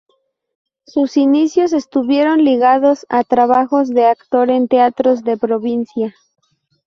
Sus inicios estuvieron ligados a trabajos de actor en teatros de provincia.